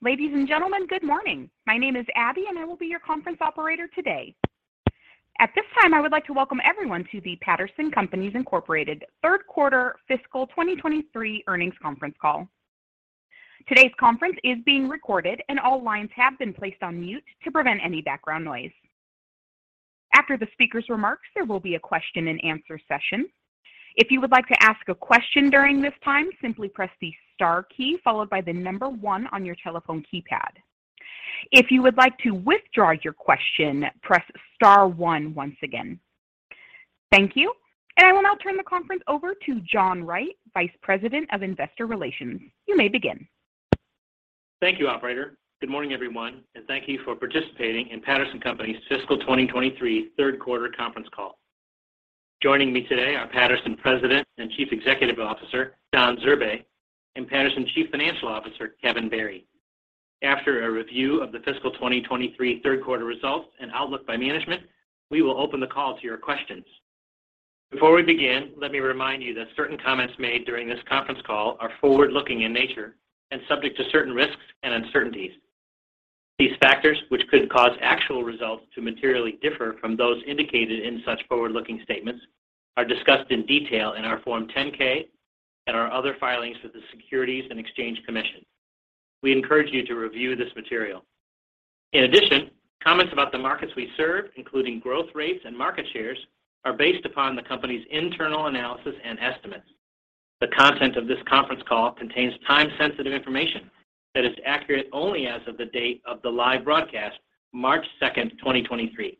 Ladies and gentlemen, good morning. My name is Abby, and I will be your conference operator today. At this time, I would like to welcome everyone to the Patterson Companies Incorporated third quarter fiscal 2023 earnings conference call. Today's conference is being recorded, and all lines have been placed on mute to prevent any background noise. After the speaker's remarks, there will be a question-and-answer session. If you would like to ask a question during this time, simply press the Star key followed by the number one on your telephone keypad. If you would like to withdraw your question, press Star one once again. Thank you. I will now turn the conference over to John Wright, Vice President of Investor Relations. You may begin. Thank you, operator. Good morning, everyone, and thank you for participating in Patterson Companies' fiscal 2023 third quarter conference call. Joining me today are President and Chief Executive Officer, Don Zurbay, and Chief Financial Officer, Kevin Barry. After a review of the fiscal 2023 third quarter results and outlook by management, we will open the call to your questions. Before we begin, let me remind you that certain comments made during this conference call are forward-looking in nature and subject to certain risks and uncertainties. These factors, which could cause actual results to materially differ from those indicated in such forward-looking statements, are discussed in detail in our Form 10-K and our other filings with the Securities and Exchange Commission. We encourage you to review this material. Comments about the markets we serve, including growth rates and market shares, are based upon the company's internal analysis and estimates. The content of this conference call contains time-sensitive information that is accurate only as of the date of the live broadcast, March 2, 2023.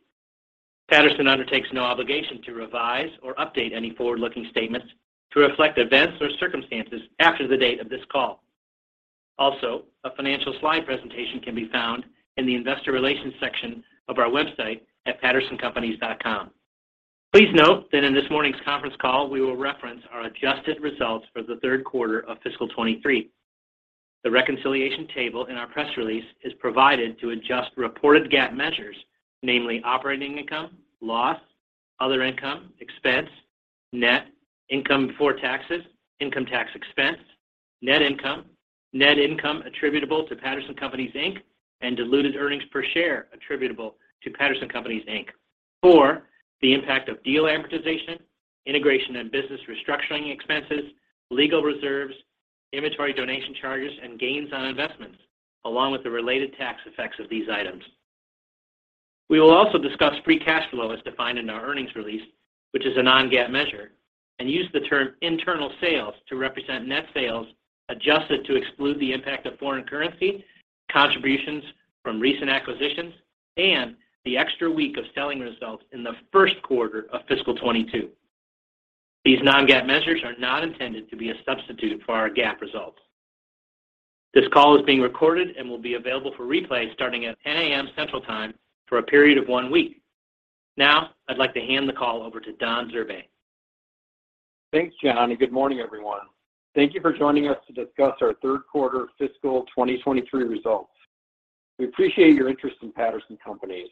Patterson undertakes no obligation to revise or update any forward-looking statements to reflect events or circumstances after the date of this call. A financial slide presentation can be found in the Investor Relations section of our website at pattersoncompanies.com. Please note that in this morning's conference call, we will reference our adjusted results for the third quarter of fiscal 23. The reconciliation table in our press release is provided to adjust reported GAAP measures, namely operating income, loss, other income, expense, net, income before taxes, income tax expense, net income, net income attributable to Patterson Companies, Inc., and diluted earnings per share attributable to Patterson Companies Inc., for the impact of deal amortization, integration and business restructuring expenses, legal reserves, inventory donation charges, and gains on investments, along with the related tax effects of these items. We will also discuss free cash flow as defined in our earnings release, which is a non-GAAP measure, and use the term internal sales to represent net sales adjusted to exclude the impact of foreign currency, contributions from recent acquisitions, and the extra week of selling results in the first quarter of fiscal 22. These non-GAAP measures are not intended to be a substitute for our GAAP results. This call is being recorded and will be available for replay starting at 10:00 A.M. Central Time for a period of 1 week. I'd like to hand the call over to Don Zurbay. Thanks, John, good morning, everyone. Thank you for joining us to discuss our third quarter fiscal 2023 results. We appreciate your interest in Patterson Companies.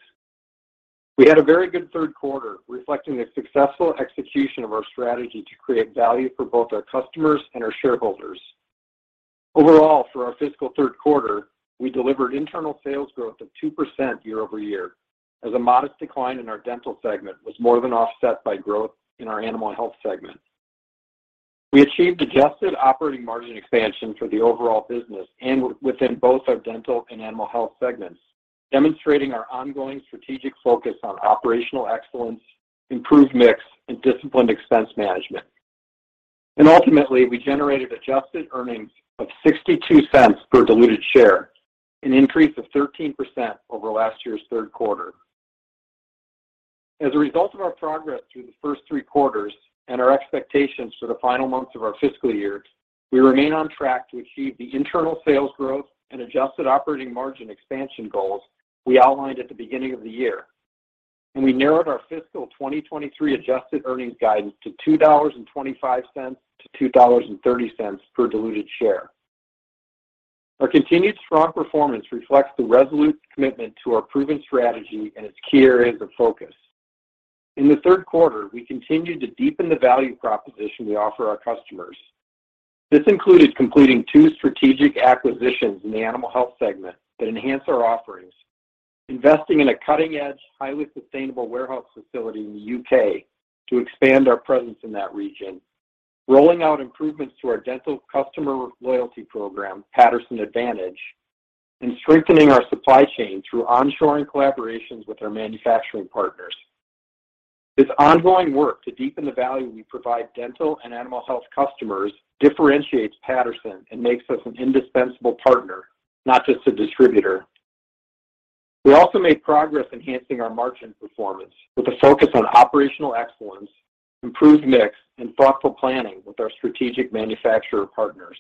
We had a very good third quarter, reflecting the successful execution of our strategy to create value for both our customers and our shareholders. Overall, for our fiscal third quarter, we delivered internal sales growth of 2% year-over-year as a modest decline in our Dental segment was more than offset by growth in our Animal Health segment. We achieved adjusted operating margin expansion for the overall business and within both our Dental and Animal Health segments, demonstrating our ongoing strategic focus on operational excellence, improved mix, and disciplined expense management. Ultimately, we generated adjusted earnings of $0.62 per diluted share, an increase of 13% over last year's third quarter. As a result of our progress through the first three quarters and our expectations for the final months of our fiscal year, we remain on track to achieve the internal sales growth and adjusted operating margin expansion goals we outlined at the beginning of the year. We narrowed our fiscal 2023 adjusted earnings guidance to $2.25-$2.30 per diluted share. Our continued strong performance reflects the resolute commitment to our proven strategy and its key areas of focus. In the third quarter, we continued to deepen the value proposition we offer our customers. This included completing two strategic acquisitions in the Animal Health segment that enhance our offerings. Investing in a cutting-edge, highly sustainable warehouse facility in the UK to expand our presence in that region, rolling out improvements to our Dental customer loyalty program, Patterson Advantage, and strengthening our supply chain through onshoring collaborations with our manufacturing partners. This ongoing work to deepen the value we provide Dental and Animal Health customers differentiates Patterson and makes us an indispensable partner, not just a distributor. We also made progress enhancing our margin performance with a focus on operational excellence, improved mix, and thoughtful planning with our strategic manufacturer partners.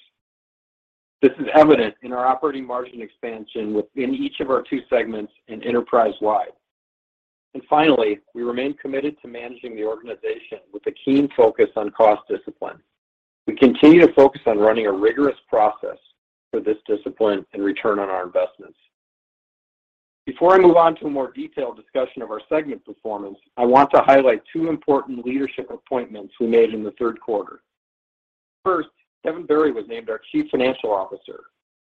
This is evident in our operating margin expansion within each of our two segments and enterprise-wide. Finally, we remain committed to managing the organization with a keen focus on cost discipline. We continue to focus on running a rigorous process for this discipline and return on our investments. Before I move on to a more detailed discussion of our segment performance, I want to highlight 2 important leadership appointments we made in the third quarter. First, Kevin Barry was named our Chief Financial Officer.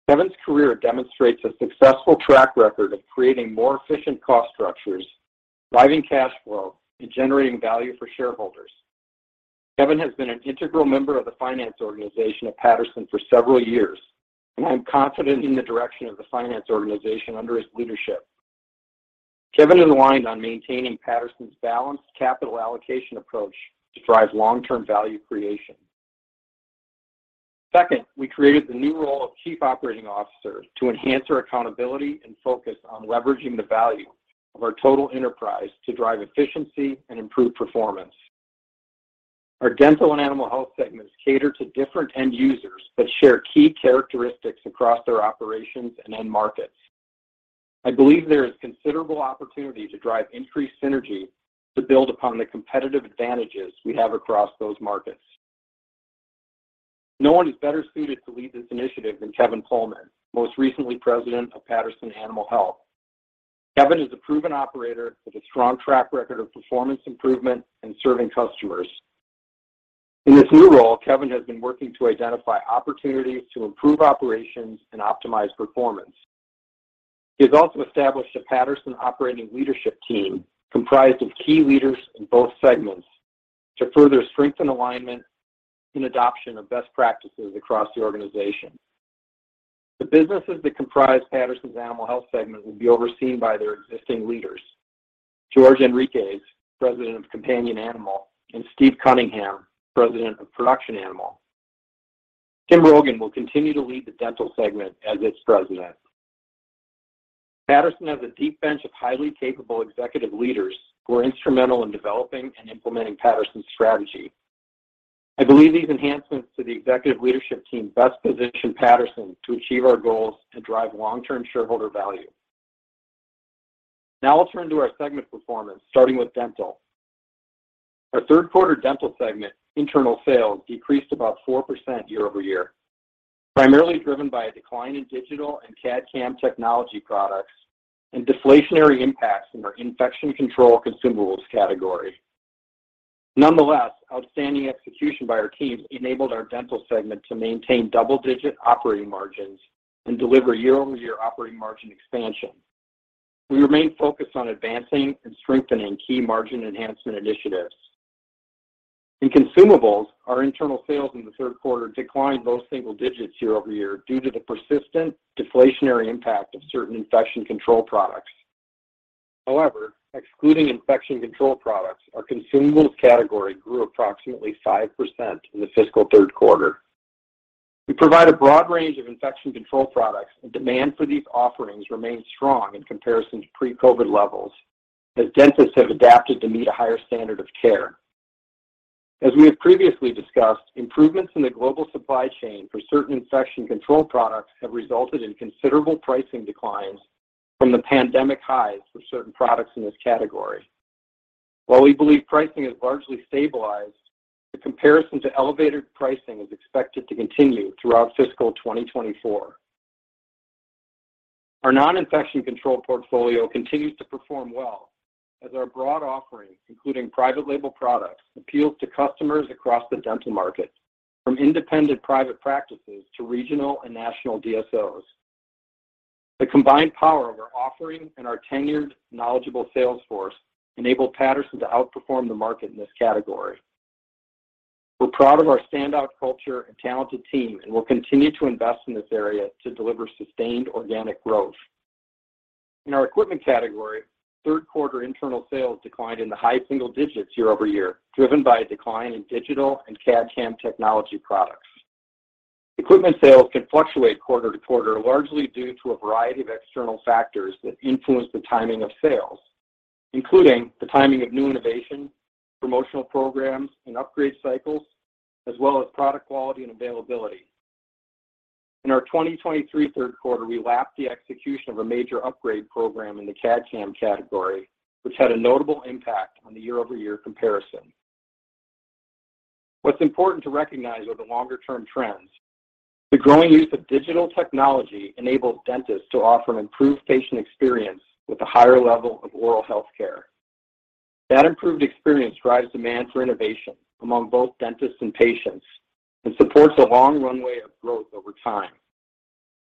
Kevin's career demonstrates a successful track record of creating more efficient cost structures, driving cash flow, and generating value for shareholders. Kevin has been an integral member of the finance organization at Patterson for several years. I'm confident in the direction of the finance organization under his leadership. Kevin is aligned on maintaining Patterson's balanced capital allocation approach to drive long-term value creation. Second, we created the new role of Chief Operating Officer to enhance our accountability and focus on leveraging the value of our total enterprise to drive efficiency and improve performance. Our Dental and Animal Health segments cater to different end users that share key characteristics across their operations and end markets. I believe there is considerable opportunity to drive increased synergy to build upon the competitive advantages we have across those markets. No one is better suited to lead this initiative than Kevin Pohlman, most recently President of Patterson Animal Health. Kevin is a proven operator with a strong track record of performance improvement and serving customers. In this new role, Kevin has been working to identify opportunities to improve operations and optimize performance. He has also established a Patterson operating leadership team comprised of key leaders in both segments to further strengthen alignment and adoption of best practices across the organization. The businesses that comprise Patterson's Animal Health segment will be overseen by their existing leaders, George Henriques, President of Companion Animal, and Steve Cunningham, President of Production Animal. Tim Rogan will continue to lead the Dental segment as its President. Patterson Companies has a deep bench of highly capable executive leaders who are instrumental in developing and implementing Patterson Companies' strategy. I believe these enhancements to the executive leadership team best position Patterson Companies to achieve our goals and drive long-term shareholder value. Now I'll turn to our segment performance, starting with Dental. Our third quarter Dental segment internal sales decreased about 4% year-over-year, primarily driven by a decline in digital and CAD/CAM technology products and deflationary impacts in our infection control consumables category. Nonetheless, outstanding execution by our teams enabled our Dental segment to maintain double-digit operating margins and deliver year-over-year operating margin expansion. We remain focused on advancing and strengthening key margin enhancement initiatives. In consumables, our internal sales in the third quarter declined low single digits year-over-year due to the persistent deflationary impact of certain infection control products. Excluding infection control products, our consumables category grew approximately 5% in the fiscal third quarter. We provide a broad range of infection control products, demand for these offerings remains strong in comparison to pre-COVID levels as dentists have adapted to meet a higher standard of care. As we have previously discussed, improvements in the global supply chain for certain infection control products have resulted in considerable pricing declines from the pandemic highs for certain products in this category. While we believe pricing has largely stabilized, the comparison to elevated pricing is expected to continue throughout fiscal 2024. Our non-infection control portfolio continues to perform well as our broad offerings, including private label products, appeals to customers across the dental market from independent private practices to regional and national DSOs. The combined power of our offering and our tenured, knowledgeable sales force enable Patterson to outperform the market in this category. We're proud of our standout culture and talented team, and we'll continue to invest in this area to deliver sustained organic growth. In our equipment category, third quarter internal sales declined in the high single digits year-over-year, driven by a decline in digital and CAD/CAM technology products. Equipment sales can fluctuate quarter-to-quarter, largely due to a variety of external factors that influence the timing of sales, including the timing of new innovations, promotional programs, and upgrade cycles, as well as product quality and availability. In our 2023 third quarter, we lapped the execution of a major upgrade program in the CAD/CAM category, which had a notable impact on the year-over-year comparison. What's important to recognize are the longer-term trends. The growing use of digital technology enables dentists to offer an improved patient experience with a higher level of oral health care. That improved experience drives demand for innovation among both dentists and patients and supports a long runway of growth over time.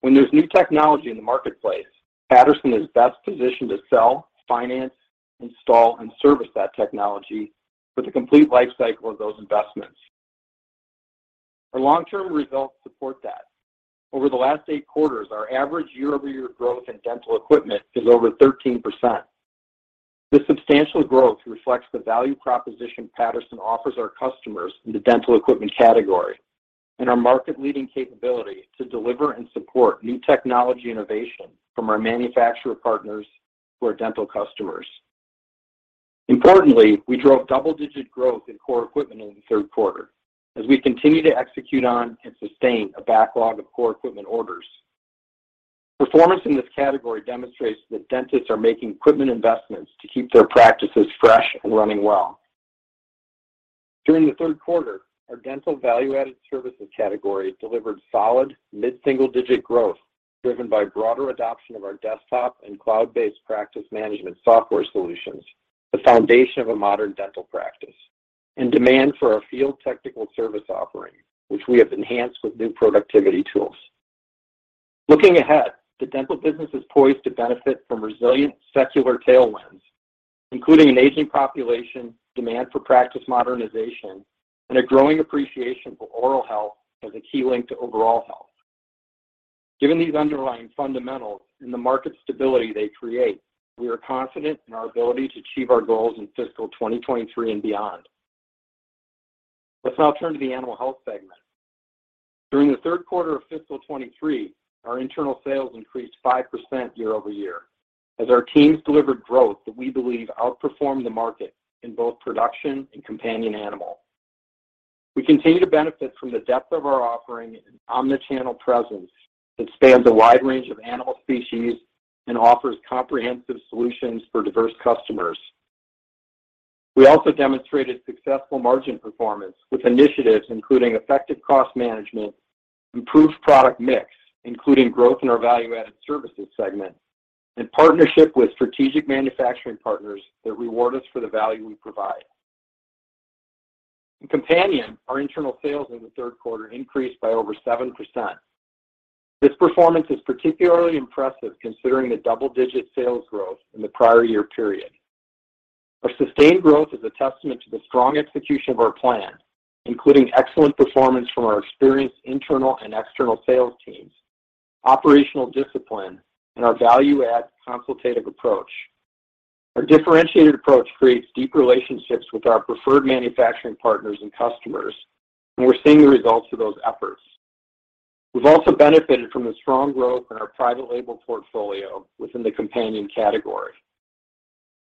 When there's new technology in the marketplace, Patterson is best positioned to sell, finance, install, and service that technology for the complete life cycle of those investments. Our long-term results support that. Over the last eight quarters, our average year-over-year growth in dental equipment is over 13%. This substantial growth reflects the value proposition Patterson offers our customers in the dental equipment category and our market-leading capability to deliver and support new technology innovation from our manufacturer partners to our dental customers. Importantly, we drove double-digit growth in core equipment in the third quarter as we continue to execute on and sustain a backlog of core equipment orders. Performance in this category demonstrates that dentists are making equipment investments to keep their practices fresh and running well. During the third quarter, our Dental value-added services category delivered solid mid-single-digit growth, driven by broader adoption of our desktop and cloud-based practice management software solutions, the foundation of a modern dental practice, and demand for our field technical service offering, which we have enhanced with new productivity tools. Looking ahead, the Dental business is poised to benefit from resilient secular tailwinds, including an aging population, demand for practice modernization, and a growing appreciation for oral health as a key link to overall health. Given these underlying fundamentals and the market stability they create, we are confident in our ability to achieve our goals in fiscal 2023 and beyond. Let's now turn to the Animal Health segment. During the third quarter of fiscal 2023, our internal sales increased 5% year-over-year as our teams delivered growth that we believe outperformed the market in both production and companion animal. We continue to benefit from the depth of our offering and omnichannel presence that spans a wide range of animal species and offers comprehensive solutions for diverse customers. We also demonstrated successful margin performance with initiatives including effective cost management, improved product mix, including growth in our value-added services segment, and partnership with strategic manufacturing partners that reward us for the value we provide. In Companion Animal, our internal sales in the third quarter increased by over 7%. This performance is particularly impressive considering the double-digit sales growth in the prior year period. Our sustained growth is a testament to the strong execution of our plan, including excellent performance from our experienced internal and external sales teams, operational discipline, and our value-add consultative approach. Our differentiated approach creates deep relationships with our preferred manufacturing partners and customers, and we're seeing the results of those efforts. We've also benefited from the strong growth in our private label portfolio within the Companion Animal category.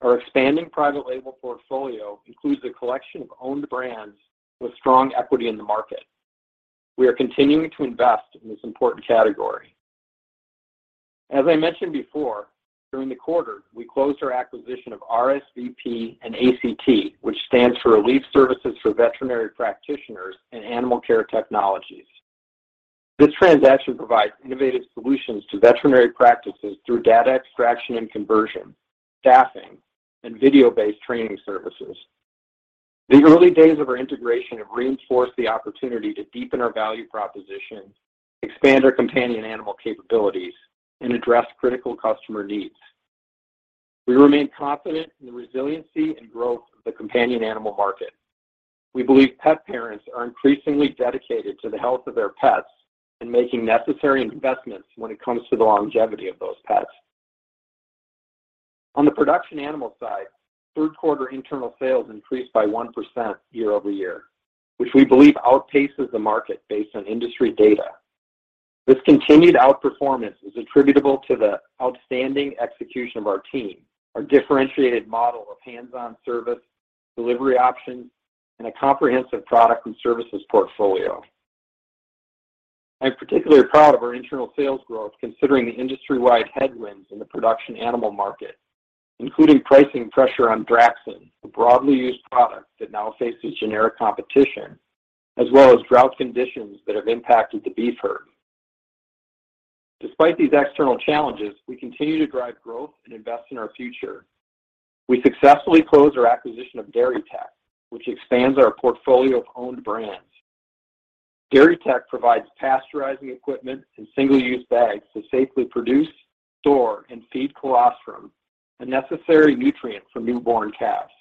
Our expanding private label portfolio includes a collection of owned brands with strong equity in the market. We are continuing to invest in this important category. As I mentioned before, during the quarter, we closed our acquisition of RSVP and ACT, which stands for Relief Services for Veterinary Practitioners and Animal Care Technologies. This transaction provides innovative solutions to veterinary practices through data extraction and conversion, staffing, and video-based training services. The early days of our integration have reinforced the opportunity to deepen our value proposition, expand our companion animal capabilities, and address critical customer needs. We remain confident in the resiliency and growth of the companion animal market. We believe pet parents are increasingly dedicated to the health of their pets and making necessary investments when it comes to the longevity of those pets. On the production animal side, third quarter internal sales increased by 1% year-over-year, which we believe outpaces the market based on industry data. This continued outperformance is attributable to the outstanding execution of our team, our differentiated model of hands-on service, delivery options, and a comprehensive product and services portfolio. I'm particularly proud of our internal sales growth considering the industry-wide headwinds in the production animal market, including pricing pressure on Draxxin, a broadly used product that now faces generic competition, as well as drought conditions that have impacted the beef herd. Despite these external challenges, we continue to drive growth and invest in our future. We successfully closed our acquisition of Dairy Tech, which expands our portfolio of owned brands. Dairy Tech provides pasteurizing equipment and single-use bags to safely produce, store, and feed colostrum, a necessary nutrient for newborn calves.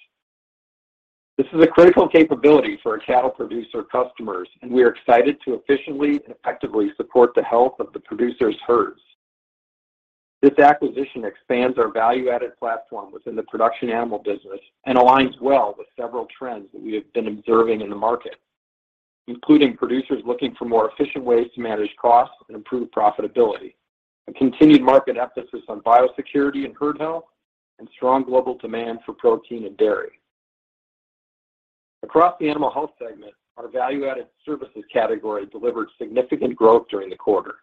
This is a critical capability for our cattle producer customers, and we are excited to efficiently and effectively support the health of the producers' herds. This acquisition expands our value-added platform within the production animal business and aligns well with several trends that we have been observing in the market, including producers looking for more efficient ways to manage costs and improve profitability, a continued market emphasis on biosecurity and herd health, and strong global demand for protein and dairy. Across the Animal Health segment, our value-added services category delivered significant growth during the quarter.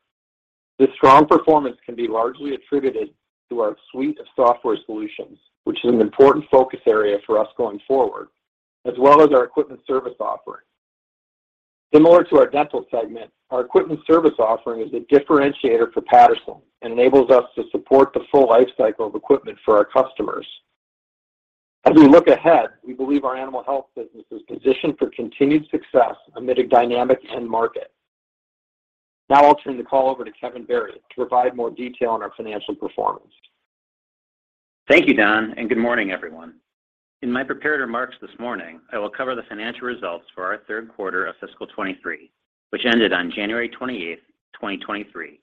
This strong performance can be largely attributed to our suite of software solutions, which is an important focus area for us going forward, as well as our equipment service offering. Similar to our Dental segment, our equipment service offering is a differentiator for Patterson and enables us to support the full life cycle of equipment for our customers. As we look ahead, we believe our Animal Health business is positioned for continued success amid a dynamic end market. Now I'll turn the call over to Kevin Barry to provide more detail on our financial performance. Thank you, Don, and good morning, everyone. In my prepared remarks this morning, I will cover the financial results for our third quarter of fiscal 2023, which ended on January 28, 2023,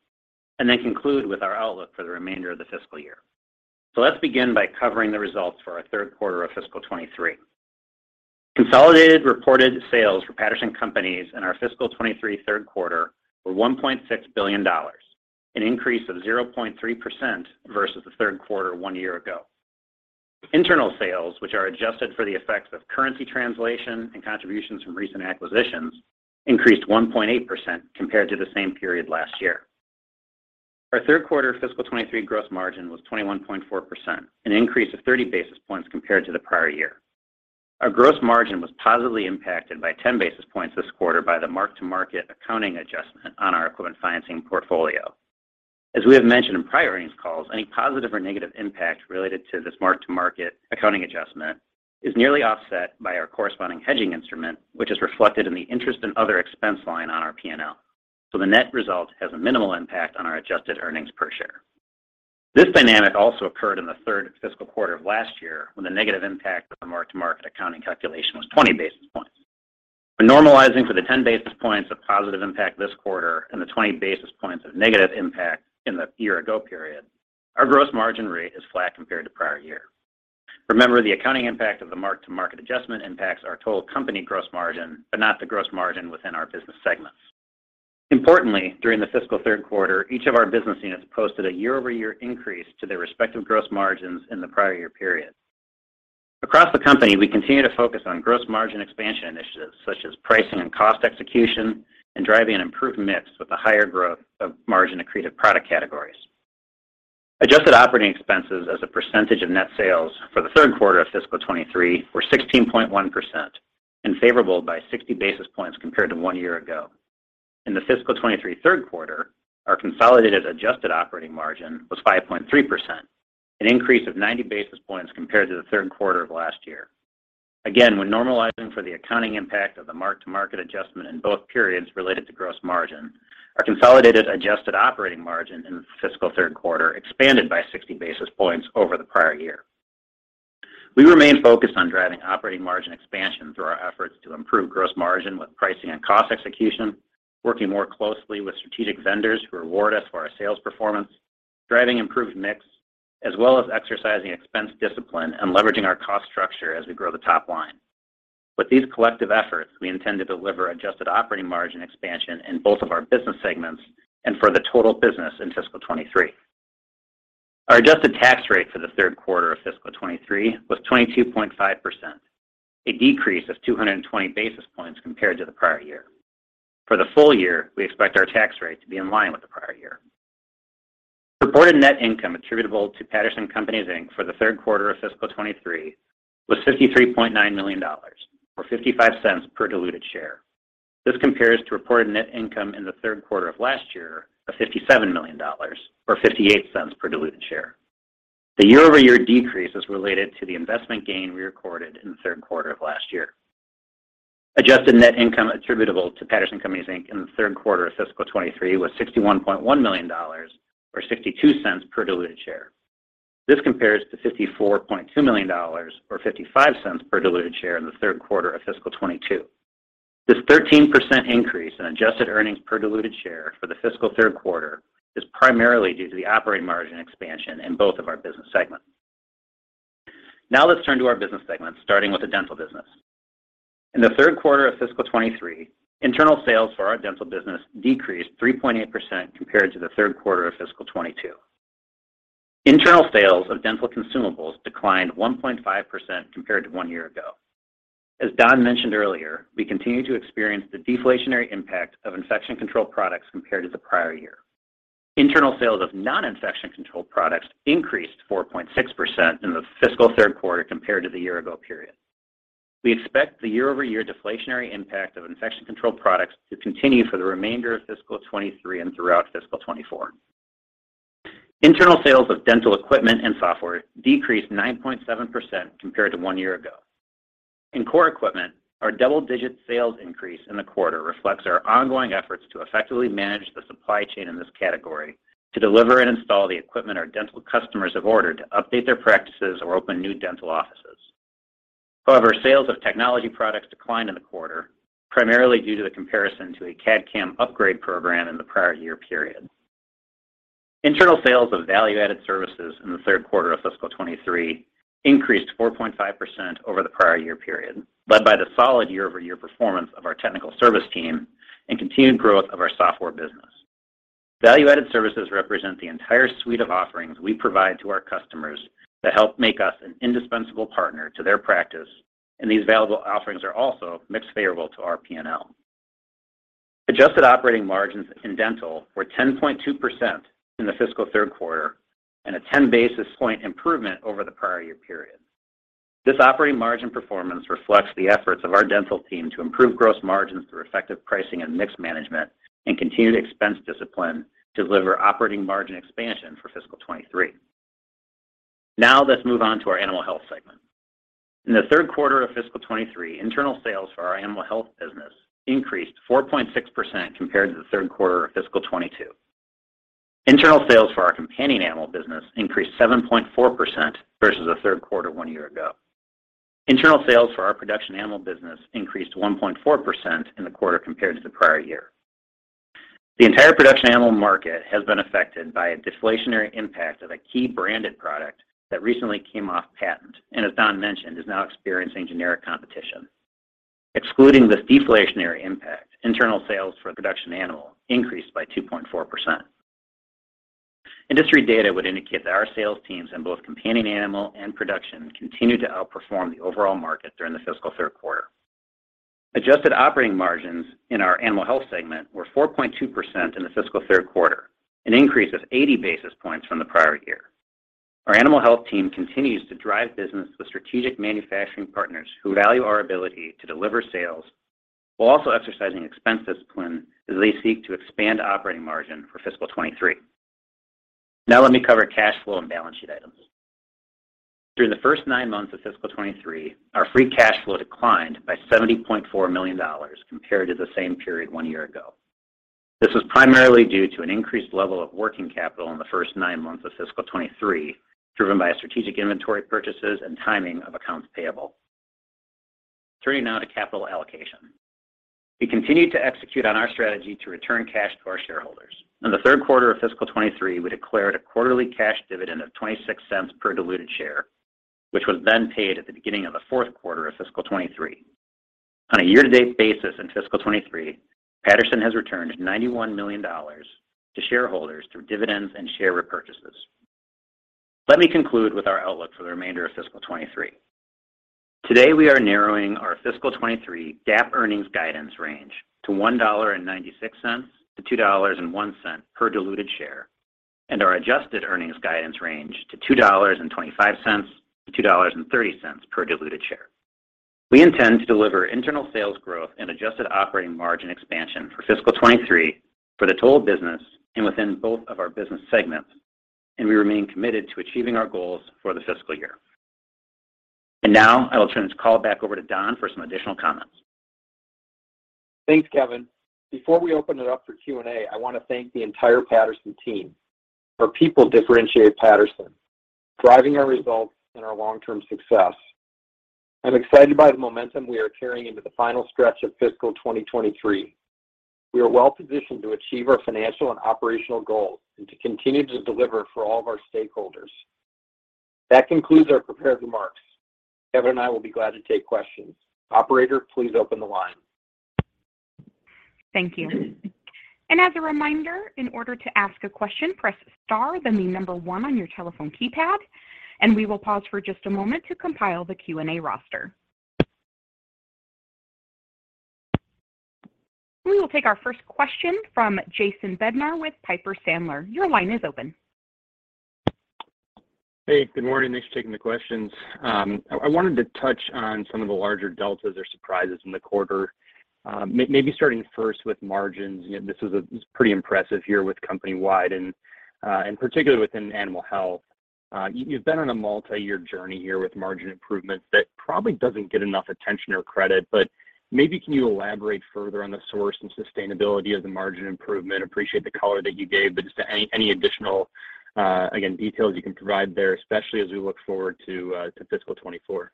and then conclude with our outlook for the remainder of the fiscal year. Let's begin by covering the results for our third quarter of fiscal 2023. Consolidated reported sales for Patterson Companies in our fiscal 2023 third quarter were $1.6 billion, an increase of 0.3% versus the third quarter one year ago. Internal sales, which are adjusted for the effects of currency translation and contributions from recent acquisitions, increased 1.8% compared to the same period last year. Our third quarter fiscal 2023 gross margin was 21.4%, an increase of 30 basis points compared to the prior year. Our gross margin was positively impacted by 10 basis points this quarter by the mark-to-market accounting adjustment on our equipment financing portfolio. As we have mentioned in prior earnings calls, any positive or negative impact related to this mark-to-market accounting adjustment is nearly offset by our corresponding hedging instrument, which is reflected in the interest and other expense line on our P&L. The net result has a minimal impact on our adjusted earnings per share. This dynamic also occurred in the third fiscal quarter of last year, when the negative impact of the mark-to-market accounting calculation was 20 basis points. When normalizing for the 10 basis points of positive impact this quarter and the 20 basis points of negative impact in the year-ago period, our gross margin rate is flat compared to prior year. The accounting impact of the mark-to-market adjustment impacts our total company gross margin, but not the gross margin within our business segments. Importantly, during the fiscal third quarter, each of our business units posted a year-over-year increase to their respective gross margins in the prior year period. Across the company, we continue to focus on gross margin expansion initiatives such as pricing and cost execution and driving an improved mix with the higher growth of margin accretive product categories. Adjusted operating expenses as a percentage of net sales for the third quarter of fiscal 2023 were 16.1%, unfavorable by 60 basis points compared to one year ago. In the fiscal 2023 third quarter, our consolidated adjusted operating margin was 5.3%, an increase of 90 basis points compared to the third quarter of last year. When normalizing for the accounting impact of the mark-to-market adjustment in both periods related to gross margin, our consolidated adjusted operating margin in the fiscal third quarter expanded by 60 basis points over the prior year. We remain focused on driving operating margin expansion through our efforts to improve gross margin with pricing and cost execution, working more closely with strategic vendors who reward us for our sales performance, driving improved mix, as well as exercising expense discipline and leveraging our cost structure as we grow the top line. With these collective efforts, we intend to deliver adjusted operating margin expansion in both of our business segments and for the total business in fiscal 2023. Our adjusted tax rate for the third quarter of fiscal 2023 was 22.5%, a decrease of 220 basis points compared to the prior year. For the full year, we expect our tax rate to be in line with the prior year. Reported net income attributable to Patterson Companies, Inc. for the third quarter of fiscal 2023 was $53.9 million, or $0.55 per diluted share. This compares to reported net income in the third quarter of last year of $57 million, or $0.58 per diluted share. The year-over-year decrease is related to the investment gain we recorded in the third quarter of last year. Adjusted net income attributable to Patterson Companies, Inc. in the third quarter of fiscal 2023 was $61.1 million, or $0.62 per diluted share. This compares to $54.2 million, or $0.55 per diluted share in the third quarter of fiscal 2022. This 13% increase in adjusted earnings per diluted share for the fiscal third quarter is primarily due to the operating margin expansion in both of our business segments. Let's turn to our business segments, starting with the Dental business. In the third quarter of fiscal 2023, internal sales for our Dental business decreased 3.8% compared to the third quarter of fiscal 2022. Internal sales of dental consumables declined 1.5% compared to one year ago. As Don mentioned earlier, we continue to experience the deflationary impact of infection control products compared to the prior year. Internal sales of non-infection control products increased 4.6% in the fiscal third quarter compared to the year-ago period. We expect the year-over-year deflationary impact of infection control products to continue for the remainder of fiscal 2023 and throughout fiscal 2024. Internal sales of dental equipment and software decreased 9.7% compared to one year ago. In core equipment, our double-digit sales increase in the quarter reflects our ongoing efforts to effectively manage the supply chain in this category to deliver and install the equipment our dental customers have ordered to update their practices or open new dental offices. However, sales of technology products declined in the quarter, primarily due to the comparison to a CAD/CAM upgrade program in the prior year period. Internal sales of value-added services in the 3rd quarter of fiscal 2023 increased 4.5% over the prior year period, led by the solid year-over-year performance of our technical service team and continued growth of our software business. Value-added services represent the entire suite of offerings we provide to our customers that help make us an indispensable partner to their practice, and these valuable offerings are also mix favorable to our P&L. Adjusted operating margins in Dental were 10.2% in the fiscal third quarter and a 10 basis point improvement over the prior year period. This operating margin performance reflects the efforts of our Dental team to improve gross margins through effective pricing and mix management and continued expense discipline to deliver operating margin expansion for fiscal 2023. Let's move on to our Animal Health segment. In the third quarter of fiscal 2023, internal sales for our Animal Health business increased 4.6% compared to the third quarter of fiscal 2022. Internal sales for our Companion Animal business increased 7.4% versus the third quarter one year ago. Internal sales for our Production Animal business increased 1.4% in the quarter compared to the prior year. The entire Production Animal market has been affected by a deflationary impact of a key branded product that recently came off patent and as Don mentioned, is now experiencing generic competition. Excluding this deflationary impact, internal sales for Production Animal increased by 2.4%. Industry data would indicate that our sales teams in both Companion Animal and Production continued to outperform the overall market during the fiscal third quarter. Adjusted operating margins in our Animal Health segment were 4.2% in the fiscal third quarter, an increase of 80 basis points from the prior year. Our Animal Health team continues to drive business with strategic manufacturing partners who value our ability to deliver sales while also exercising expense discipline as they seek to expand operating margin for fiscal 23. Let me cover cash flow and balance sheet items. During the first 9 months of fiscal 23, our free cash flow declined by $70.4 million compared to the same period 1 year ago. This was primarily due to an increased level of working capital in the first 9 months of fiscal 23, driven by strategic inventory purchases and timing of accounts payable. Turning now to capital allocation. We continued to execute on our strategy to return cash to our shareholders. In the third quarter of fiscal 2023, we declared a quarterly cash dividend of $0.26 per diluted share, which was then paid at the beginning of the fourth quarter of fiscal 2023. On a year-to-date basis in fiscal 2023, Patterson has returned $91 million to shareholders through dividends and share repurchases. Let me conclude with our outlook for the remainder of fiscal 2023. Today, we are narrowing our fiscal 2023 GAAP earnings guidance range to $1.96-$2.01 per diluted share. Our adjusted earnings guidance range to $2.25-$2.30 per diluted share. We intend to deliver internal sales growth and adjusted operating margin expansion for fiscal 2023 for the total business and within both of our business segments. We remain committed to achieving our goals for the fiscal year. Now I will turn this call back over to Don for some additional comments. Thanks, Kevin. Before we open it up for Q&A, I want to thank the entire Patterson team. Our people differentiate Patterson, driving our results and our long-term success. I'm excited by the momentum we are carrying into the final stretch of fiscal 2023. We are well-positioned to achieve our financial and operational goals and to continue to deliver for all of our stakeholders. That concludes our prepared remarks. Kevin and I will be glad to take questions. Operator, please open the line. Thank you. As a reminder, in order to ask a question, press star, then the 1 on your telephone keypad, and we will pause for just a moment to compile the Q&A roster. We will take our first question from Jason Bednar with Piper Sandler. Your line is open. Hey, good morning. Thanks for taking the questions. I wanted to touch on some of the larger deltas or surprises in the quarter, maybe starting first with margins. You know, this was pretty impressive here with company-wide and particularly within Animal Health. You've been on a multiyear journey here with margin improvements that probably doesn't get enough attention or credit, but maybe can you elaborate further on the source and sustainability of the margin improvement? Appreciate the color that you gave, but just any additional, again, details you can provide there, especially as we look forward to fiscal 2024.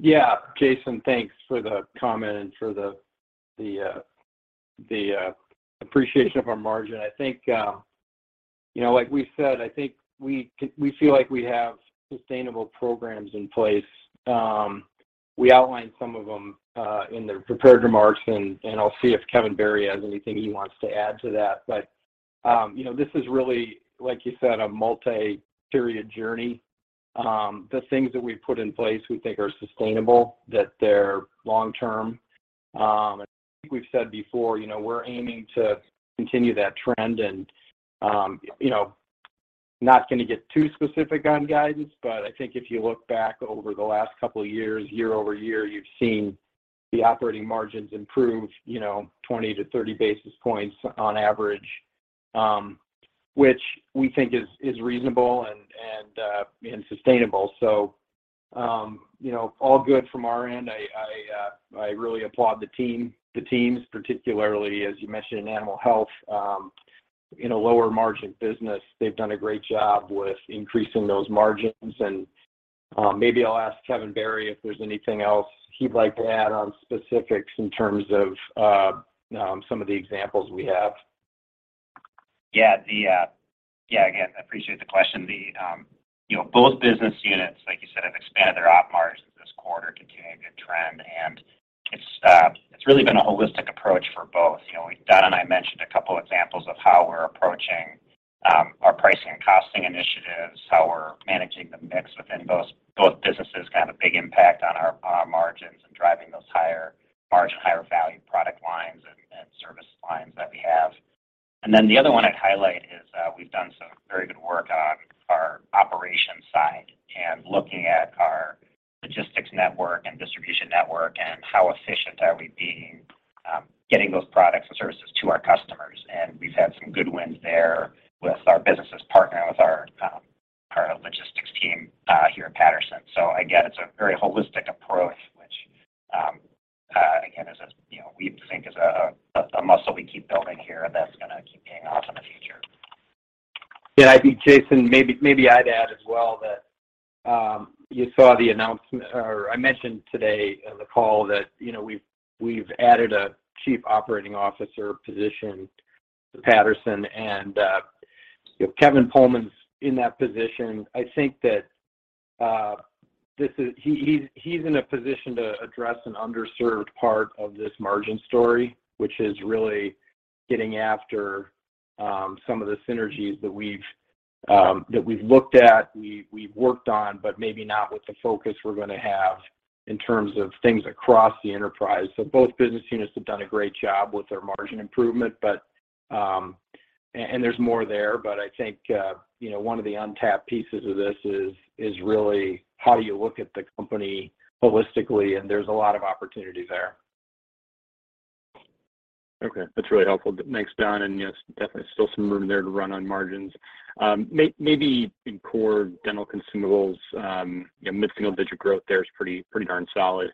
Yeah. Jason, thanks for the comment and for the appreciation of our margin. I think, you know, like we said, I think we feel like we have sustainable programs in place. We outlined some of them in the prepared remarks, and I'll see if Kevin Barry has anything he wants to add to that. You know, this is really, like you said, a multi-period journey. The things that we've put in place we think are sustainable, that they're long term. I think we've said before, you know, we're aiming to continue that trend and, you know, not gonna get too specific on guidance, but I think if you look back over the last couple of years, year-over-year, you've seen the operating margins improve, you know, 20 to 30 basis points on average, which we think is reasonable and sustainable. You know, all good from our end. I really applaud the team, the teams, particularly, as you mentioned, in Animal Health, in a lower margin business. They've done a great job with increasing those margins. Maybe I'll ask Kevin Barry if there's anything else he'd like to add on specifics in terms of some of the examples we have. Yeah. Yeah, again, I appreciate the question. The, you know, both business units, like you said, have expanded their op margins this quarter, continuing a good trend. It's really been a holistic approach for both. You know, Don and I mentioned a couple examples of how we're approaching our pricing and costing initiatives, how we're managing the mix within those businesses can have a big impact on our margins and driving those higher margin, higher value product lines and service lines that we have. Then the other one I'd highlight is, we've done some very good work on our operations side and looking at our logistics network and distribution network and how efficient are we being, getting those products and services to our customers. We've had some good wins there with our businesses partnering with our logistics team here at Patterson. Again, it's a very holistic approach, which, again, is a, you know, we think is a muscle we keep building here that's gonna keep paying off in the future. I think, Jason, maybe I'd add as well that, you saw the announcement or I mentioned today in the call that, you know, we've added a Chief Operating Officer position to Patterson, and Kevin Pohlman's in that position. I think that he's in a position to address an underserved part of this margin story, which is really getting after some of the synergies that we've looked at, we've worked on, but maybe not with the focus we're gonna have in terms of things across the enterprise. Both business units have done a great job with their margin improvement, but and there's more there, but I think, you know, one of the untapped pieces of this is really how you look at the company holistically, and there's a lot of opportunity there. Okay. That's really helpful. Thanks, Don, you know, it's definitely still some room there to run on margins. Maybe in core dental consumables, you know, mid-single digit growth there is pretty darn solid.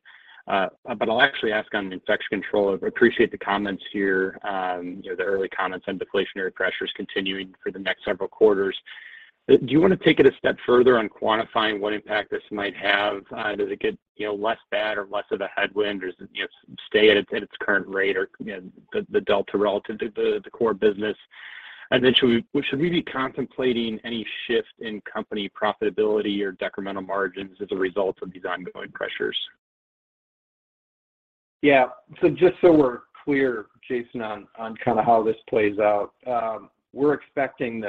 I'll actually ask on infection control. I appreciate the comments here, you know, the early comments on deflationary pressures continuing for the next several quarters. Do you wanna take it a step further on quantifying what impact this might have? Does it get, you know, less bad or less of a headwind, does it, you know, stay at its current rate or, you know, the delta relative to the core business? Should we be contemplating any shift in company profitability or decremental margins as a result of these ongoing pressures? Yeah. Just so we're clear, Jason, on kind of how this plays out, we're expecting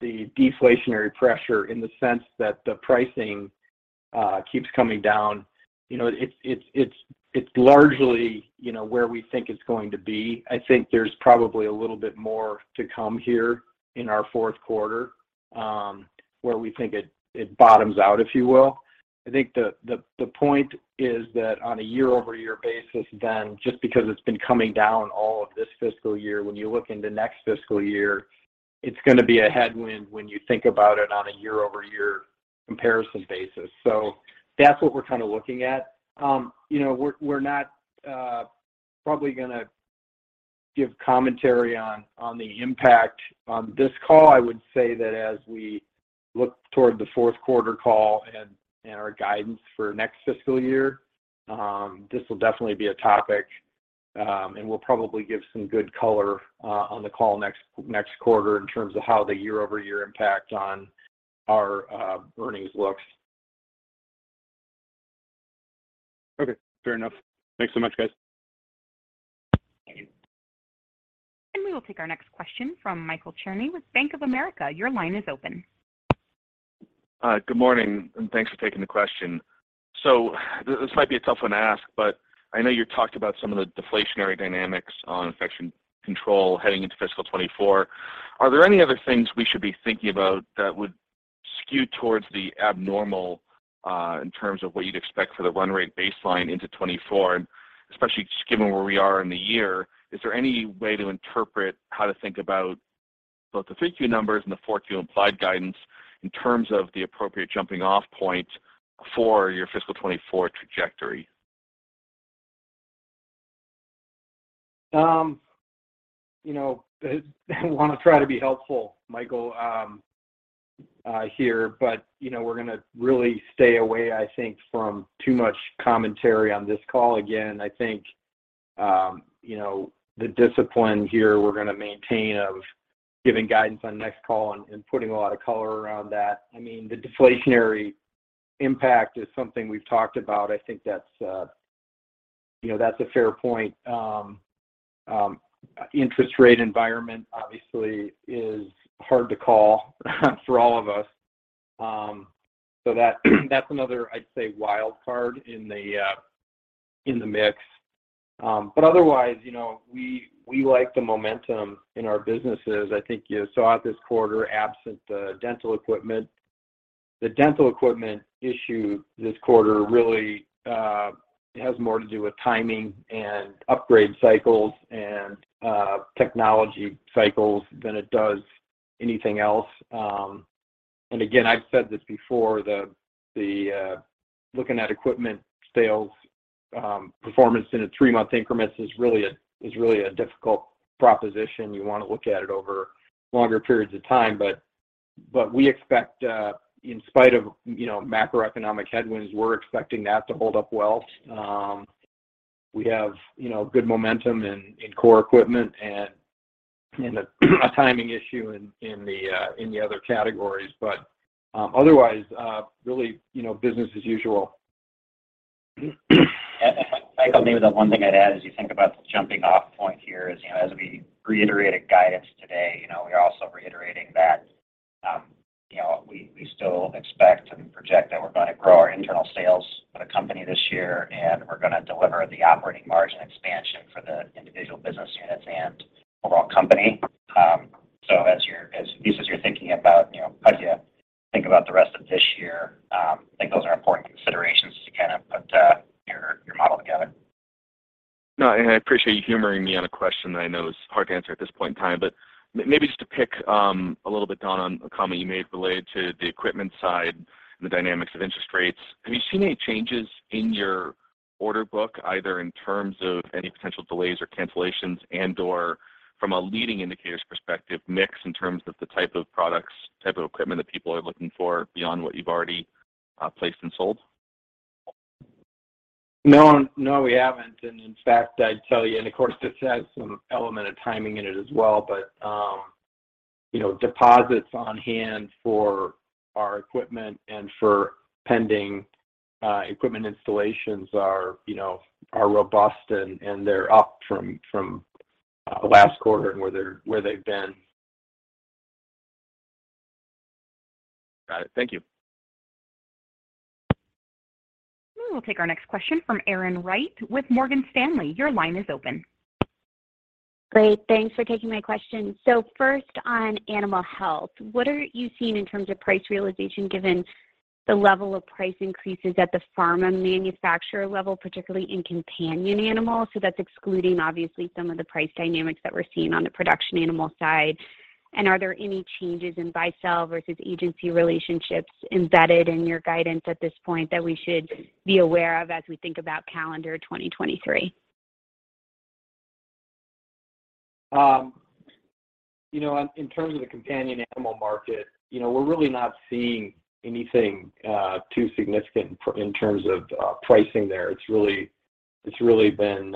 the deflationary pressure in the sense that the pricing, keeps coming down. You know, it's largely, you know, where we think it's going to be. I think there's probably a little bit more to come here in our fourth quarter, where we think it bottoms out, if you will. I think the point is that on a year-over-year basis then, just because it's been coming down all of this fiscal year, when you look into next fiscal year, it's gonna be a headwind when you think about it on a year-over-year comparison basis. That's what we're kind of looking at. You know, we're not, probably gonna give commentary on the impact on this call. I would say that as we look toward the fourth quarter call and our guidance for next fiscal year, this will definitely be a topic, and we'll probably give some good color on the call next quarter in terms of how the year-over-year impact on our earnings looks. Okay. Fair enough. Thanks so much, guys. We will take our next question from Michael Cherny with Bank of America. Your line is open. Hi. Good morning, and thanks for taking the question. This might be a tough one to ask, but I know you talked about some of the deflationary dynamics on infection control heading into fiscal 2024. Are there any other things we should be thinking about that would skew towards the abnormal in terms of what you'd expect for the run rate baseline into 2024? Especially just given where we are in the year, is there any way to interpret how to think about both the 3Q numbers and the 4Q implied guidance in terms of the appropriate jumping off point for your fiscal 2024 trajectory? you know, I wanna try to be helpful, Michael, here, but, you know, we're gonna really stay away, I think, from too much commentary on this call. I think, you know, the discipline here we're gonna maintain of giving guidance on next call and putting a lot of color around that. I mean, the deflationary impact is something we've talked about. I think that's, you know, that's a fair point. Interest rate environment obviously is hard to call for all of us. That that's another, I'd say, wild card in the in the mix. Otherwise, you know, we like the momentum in our businesses. I think you saw it this quarter, absent the dental equipment. The dental equipment issue this quarter really has more to do with timing and upgrade cycles and technology cycles than it does anything else. Again, I've said this before, the looking at equipment sales performance in a three-month increments is really a difficult proposition. You wanna look at it over longer periods of time. We expect, in spite of, you know, macroeconomic headwinds, we're expecting that to hold up well. We have, you know, good momentum in core equipment and a timing issue in the other categories. Otherwise, really, you know, business as usual. Yeah. Michael, maybe the one thing I'd add as you think about the jumping off point here is, you know, as we reiterated guidance today, you know, we are also reiterating that, you know, we still expect and project that we're gonna grow our internal sales of the company this year, and we're gonna deliver the operating margin expansion for the individual business units and overall company. As pieces you're thinking about, you know, as you think about the rest of this year, I think those are important considerations to kind of put, your model together. No, and I appreciate you humoring me on a question that I know is hard to answer at this point in time. Maybe just to pick a little bit, Don, on a comment you made related to the equipment side and the dynamics of interest rates. Have you seen any changes in your order book, either in terms of any potential delays or cancellations and/or from a leading indicators perspective mix in terms of the type of products, type of equipment that people are looking for beyond what you've already placed and sold? No, no, we haven't. In fact, I'd tell you, and of course, this has some element of timing in it as well, but you know, deposits on hand for our equipment and for pending equipment installations are, you know, robust and they're up from the last quarter and where they've been. Got it. Thank you. We'll take our next question from Erin Wright with Morgan Stanley. Your line is open. Great. Thanks for taking my question. First on Animal Health, what are you seeing in terms of price realization given the level of price increases at the pharma manufacturer level, particularly in companion animals? That's excluding obviously some of the price dynamics that we're seeing on the production animal side. Are there any changes in buy-sell versus agency relationships embedded in your guidance at this point that we should be aware of as we think about calendar 2023? You know, in terms of the companion animal market, you know, we're really not seeing anything too significant in terms of pricing there. It's really been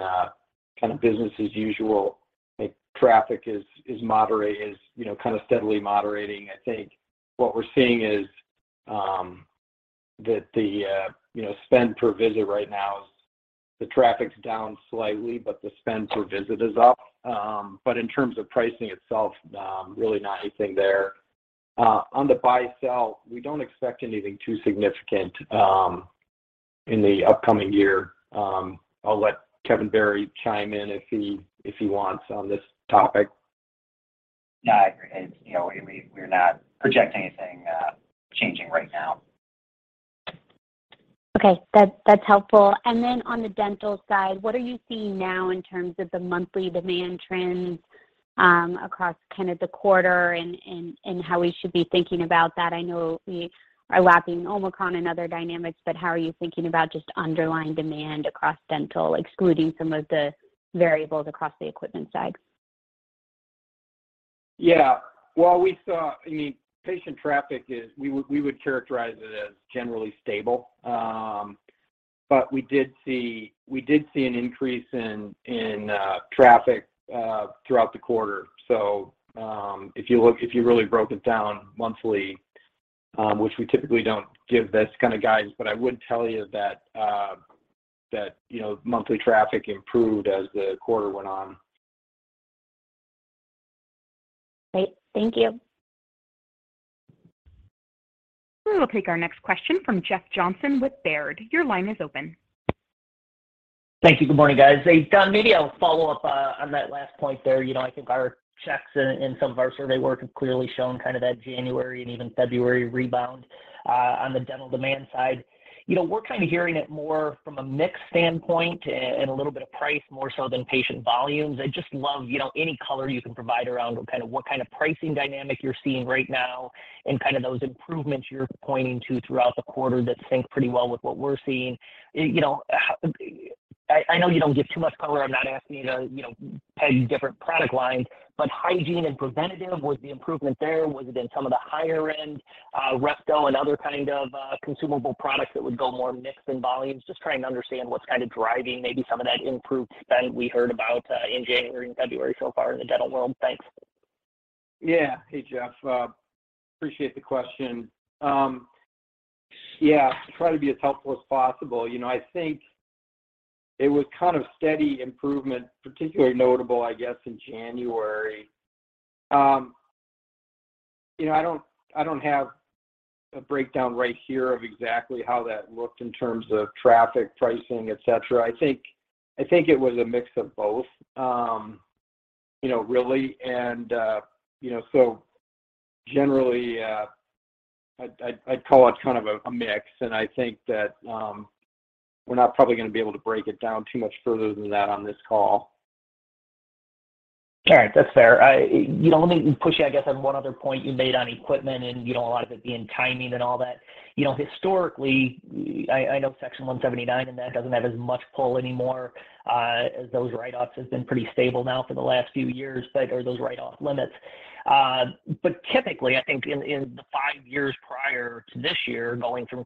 kind of business as usual. Like, traffic is moderate, you know, kind of steadily moderating. I think what we're seeing is, you know, spend per visit right now is the traffic's down slightly, but the spend per visit is up. In terms of pricing itself, really not anything there. On the buy-sell, we don't expect anything too significant in the upcoming year. I'll let Kevin Barry chime in if he wants on this topic. Yeah. I agree. You know, we're not projecting anything changing right now. Okay. That's helpful. On the Dental side, what are you seeing now in terms of the monthly demand trends, across kind of the quarter and how we should be thinking about that? I know we are lapping Omicron and other dynamics, how are you thinking about just underlying demand across dental, excluding some of the variables across the equipment side? Well, we saw. I mean, patient traffic is we would characterize it as generally stable. We did see an increase in traffic throughout the quarter. If you really broke it down monthly, which we typically don't give this kind of guidance, but I would tell you that, you know, monthly traffic improved as the quarter went on. Great. Thank you. We'll take our next question from Jeff Johnson with Baird. Your line is open. Thank you. Good morning, guys. Hey, Don, maybe I'll follow up, on that last point there. You know, I think our checks and some of our survey work have clearly shown kind of that January and even February rebound, on the dental demand side. You know, we're kind of hearing it more from a mix standpoint and a little bit of price more so than patient volumes. I'd just love, you know, any color you can provide around kind of what kind of pricing dynamic you're seeing right now and kind of those improvements you're pointing to throughout the quarter that sync pretty well with what we're seeing. You know, I know you don't give too much color. I'm not asking you to, you know, peg different product lines, but hygiene and preventative, was the improvement there? Was it in some of the higher end, resto and other kind of, consumable products that would go more mix in volumes? Just trying to understand what's kind of driving maybe some of that improved spend we heard about, in January and February so far in the dental world. Thanks. Yeah. Hey, Jeff. Appreciate the question. Yeah, try to be as helpful as possible. You know, I think it was kind of steady improvement, particularly notable, I guess, in January. You know, I don't have a breakdown right here of exactly how that looked in terms of traffic pricing, etc. I think it was a mix of both, you know, really. Generally, I'd call it kind of a mix, and I think that we're not probably gonna be able to break it down too much further than that on this call. All right. That's fair. You know, let me push you, I guess, on one other point you made on equipment and, you know, a lot of it being timing and all that. You know, historically, I know Section 179 and that doesn't have as much pull anymore, as those write-offs have been pretty stable now for the last few years. Are those write-off limits. Typically, I think in the 5 years prior to this year, going from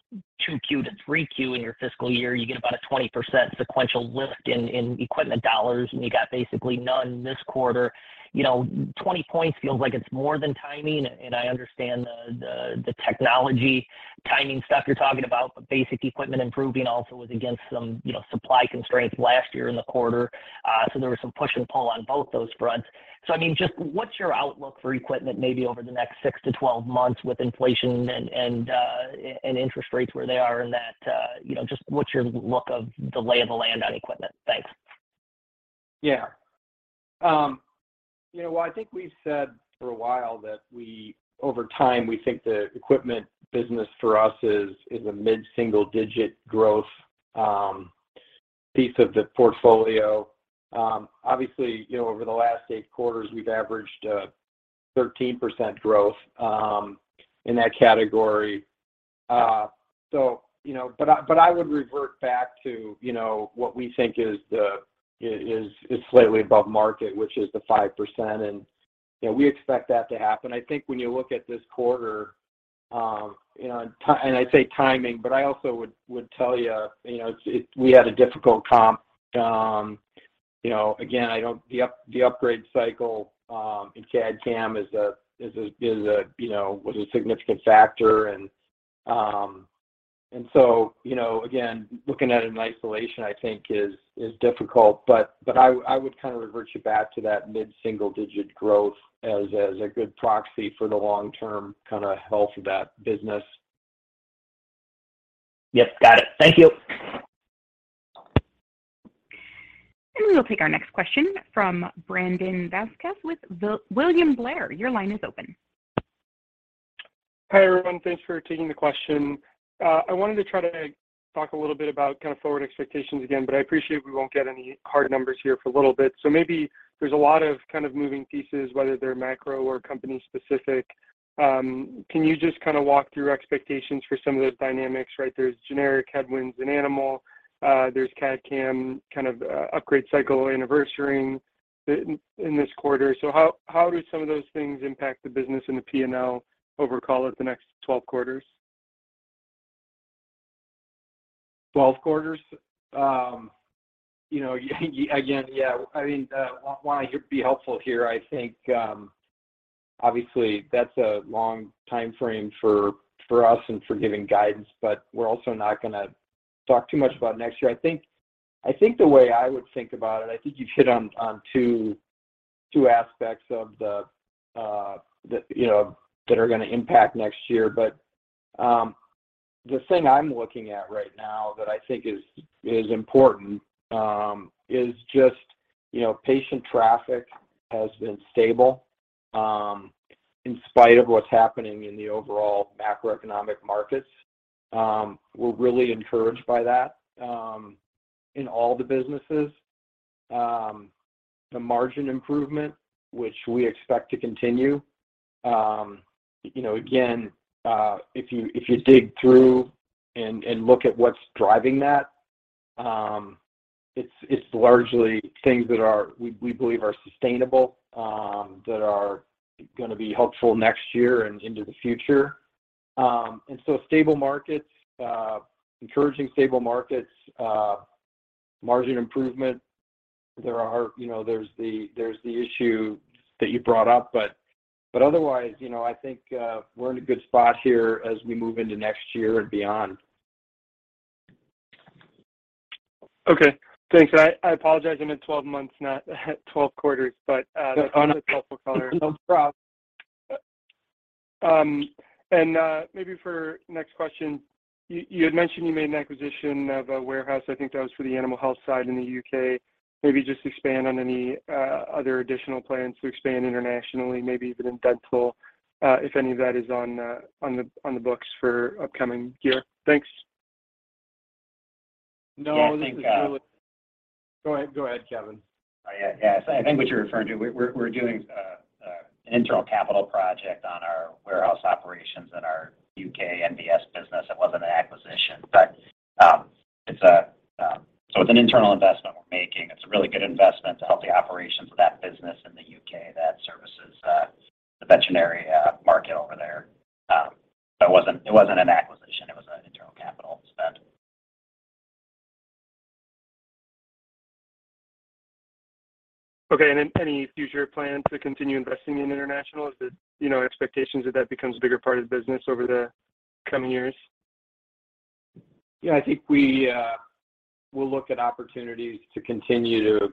2Q to 3Q in your fiscal year, you get about a 20% sequential lift in equipment dollars, and you got basically none this quarter. You know, 20 points feels like it's more than timing, and I understand the technology timing stuff you're talking about. Basic equipment improving also was against some, you know, supply constraints last year in the quarter. There was some push and pull on both those fronts. I mean, just what's your outlook for equipment maybe over the next 6 to 12 months with inflation and interest rates where they are in that, you know, just what's your look of the lay of the land on equipment? Thanks. Yeah. You know, well, I think we've said for a while that over time, we think the equipment business for us is a mid-single-digit growth piece of the portfolio. Obviously, you know, over the last 8 quarters, we've averaged 13% growth in that category. You know, I would revert back to, you know, what we think is slightly above market, which is the 5%. You know, we expect that to happen. I think when you look at this quarter, you know, and I say timing, but I also would tell you know, we had a difficult comp. You know, again, I don't... The upgrade cycle, in CAD/CAM you know, was a significant factor. You know, again, looking at it in isolation I think is difficult, but I would kind of revert you back to that mid-single digit growth as a good proxy for the long-term kind of health of that business. Yes. Got it. Thank you. We will take our next question from Brandon Vazquez with William Blair. Your line is open. Hi, everyone. Thanks for taking the question. I wanted to try to talk a little bit about kind of forward expectations again, but I appreciate we won't get any hard numbers here for a little bit. Maybe there's a lot of kind of moving pieces, whether they're macro or company specific. Can you just kind of walk through expectations for some of those dynamics, right? There's generic headwinds in animal, there's CAD/CAM kind of upgrade cycle anniversary-ing in this quarter. How do some of those things impact the business and the P&L over call it the next 12 quarters? 12 quarters? you know, again, yeah, I mean, be helpful here. I think, obviously that's a long timeframe for us and for giving guidance, but we're also not gonna talk too much about next year. I think the way I would think about it, I think you've hit on 2 aspects of the, you know, that are gonna impact next year. The thing I'm looking at right now that I think is important, is just, you know, patient traffic has been stable in spite of what's happening in the overall macroeconomic markets. We're really encouraged by that in all the businesses. The margin improvement, which we expect to continue. You know, again, if you, if you dig through and look at what's driving that, it's largely things that we believe are sustainable, that are gonna be helpful next year and into the future. Stable markets, encouraging stable markets, margin improvement. There are, you know, there's the issue that you brought up. Otherwise, you know, I think, we're in a good spot here as we move into next year and beyond. Okay, thanks. I apologize. I meant 12 months, not 12 quarters. Oh, no. That's a helpful color. No prob. Maybe for next question, you had mentioned you made an acquisition of a warehouse, I think that was for the Animal Health side in the U.K. Maybe just expand on any other additional plans to expand internationally, maybe even in dental, if any of that is on the books for upcoming year? Thanks. No, I think. Yeah, I think. Go ahead. Go ahead, Kevin. Yeah. Yeah. I think what you're referring to, we're doing an internal capital project on our warehouse operations in our U.K. NVS business. It wasn't an acquisition. It's an internal investment we're making. It's a really good investment to help the operations of that business in the U.K. that services the veterinary market over there. It wasn't an acquisition, it was an internal capital spend. Okay. Any future plans to continue investing in international? Is it, you know, expectations that that becomes a bigger part of the business over the coming years? Yeah, I think we will look at opportunities to continue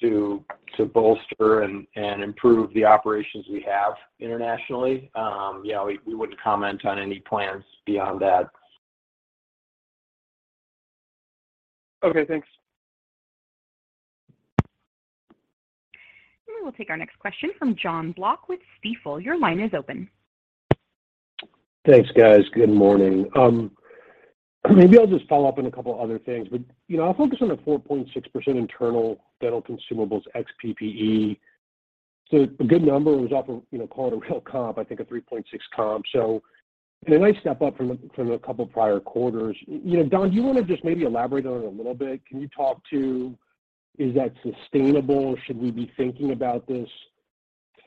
to bolster and improve the operations we have internationally. You know, we wouldn't comment on any plans beyond that. Okay, thanks. We'll take our next question from John Block with Stifel. Your line is open. Thanks, guys. Good morning. Maybe I'll just follow up on a couple other things, but, you know, I'll focus on the 4.6% internal dental consumables ex PPE. A good number. It was off of, you know, call it a real comp, I think a 3.6% comp. A nice step up from a couple prior quarters. You know, Don, do you wanna just maybe elaborate on it a little bit? Can you talk to is that sustainable? Should we be thinking about this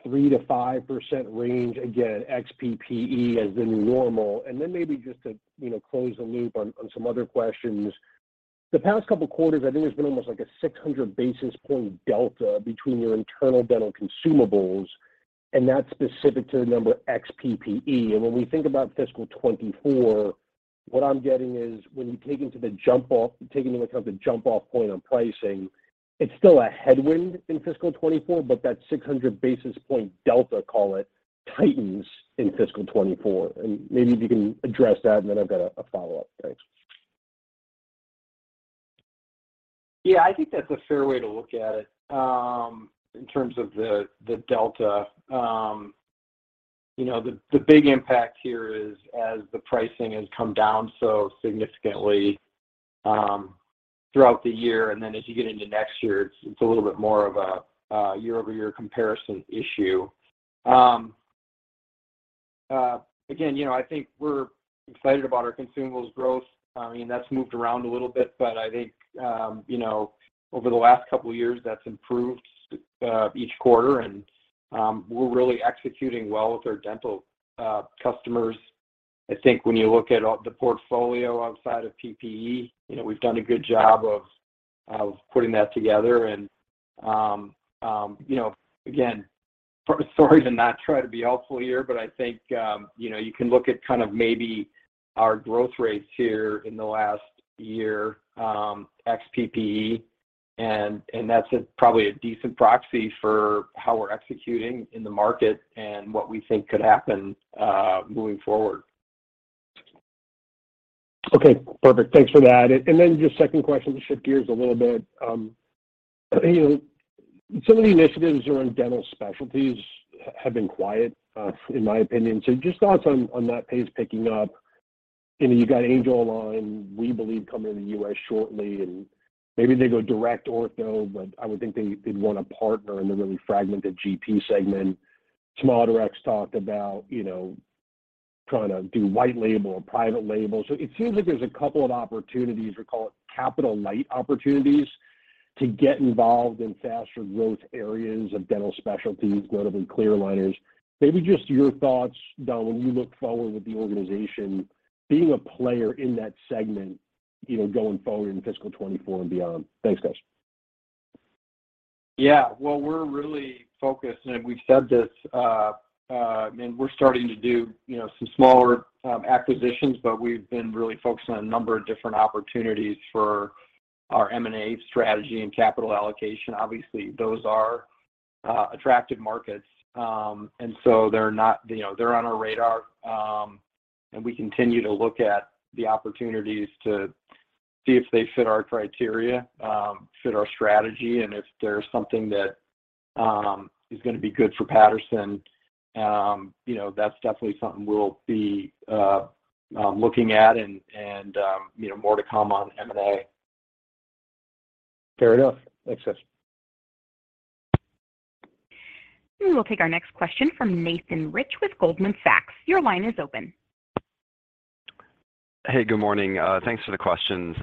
3%-5% range, again, ex PPE as the normal? Maybe just to, you know, close the loop on some other questions. The past couple quarters, I think there's been almost like a 600 basis point delta between your internal dental consumables, and that's specific to the number ex PPE. When we think about fiscal 2024, what I'm getting is when you take into account the jump off point on pricing, it's still a headwind in fiscal 2024, but that 600 basis point delta, call it, tightens in fiscal 2024. Maybe if you can address that, and then I've got a follow-up. Thanks. Yeah. I think that's a fair way to look at it. In terms of the delta. You know, the big impact here is as the pricing has come down so significantly, throughout the year, as you get into next year, it's a little bit more of a year-over-year comparison issue. Again, you know, I think we're excited about our consumables growth. I mean, that's moved around a little bit, but I think, you know, over the last couple years, that's improved, each quarter and, we're really executing well with our dental customers. I think when you look at all the portfolio outside of PPE, you know, we've done a good job of putting that together and, you know, sorry to not try to be helpful here, but I think, you know, you can look at kind of maybe our growth rates here in the last year, ex PPE, and that's a probably a decent proxy for how we're executing in the market and what we think could happen moving forward. Okay, perfect. Thanks for that. Just second question to shift gears a little bit. You know, some of the initiatives around dental specialties have been quiet, in my opinion. Just thoughts on that pace picking up. You know, you got Angelalign, we believe, coming to the U.S. shortly, and maybe they go direct ortho, but I would think they'd want a partner in the really fragmented GP segment. SmileDirect talked about, you know, trying to do white label or private label. It seems like there's a couple of opportunities, we call it capital light opportunities, to get involved in faster growth areas of dental specialties, notably clear aligners. Maybe just your thoughts, Don, when you look forward with the organization being a player in that segment, you know, going forward in fiscal 2024 and beyond. Thanks, guys. Yeah. Well, we're really focused, and we've said this, and we're starting to do, you know, some smaller acquisitions, but we've been really focused on a number of different opportunities for our M&A strategy and capital allocation. Obviously, those are attractive markets. They're not. You know, they're on our radar. We continue to look at the opportunities to see if they fit our criteria, fit our strategy, and if there's something that is gonna be good for Patterson, you know, that's definitely something we'll be looking at and, you know, more to come on M&A. Fair enough. Thanks, guys. We will take our next question from Nathan Rich with Goldman Sachs. Your line is open. Hey, good morning. Thanks for the questions.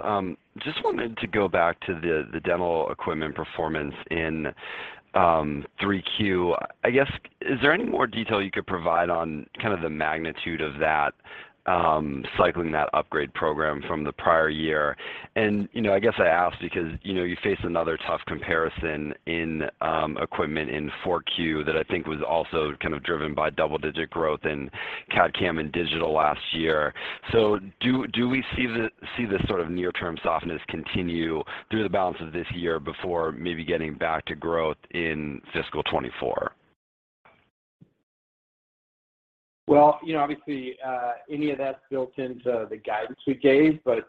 Just wanted to go back to the dental equipment performance in 3Q. I guess, is there any more detail you could provide on kind of the magnitude of that, cycling that upgrade program from the prior year? You know, I guess I ask because, you know, you face another tough comparison in equipment in 4Q that I think was also kind of driven by double-digit growth in CAD/CAM and digital last year. Do we see the sort of near term softness continue through the balance of this year before maybe getting back to growth in fiscal 2024? You know, obviously, any of that's built into the guidance we gave, but,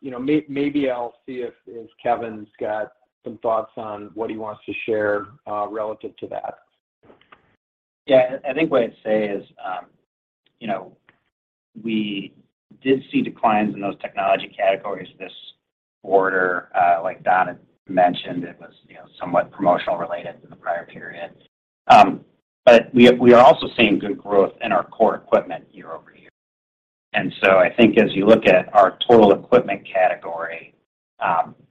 you know, maybe I'll see if Kevin's got some thoughts on what he wants to share relative to that. Yeah. I think what I'd say is, you know, we did see declines in those technology categories this quarter. Like Don had mentioned, it was, you know, somewhat promotional related to the prior period. But we are also seeing good growth in our core equipment year-over-year. I think as you look at our total equipment category,